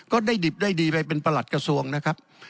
ได้ดิบได้ดีไปเป็นประหลัดกระทรวงนะครับ